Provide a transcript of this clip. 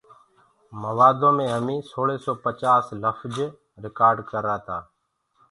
موآدو مي همنٚ سوݪي سو پچآس لڦج رڪآرڊ ڪررآ۔